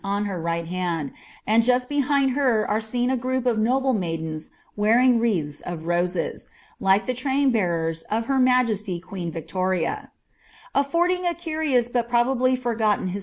on her right hand, and just behind her are seeti a group of ic maidens wearing wreaths of roses, like the imin bearem of her I' "ty queen Victoria ; affording a curious bnt probably forgotten his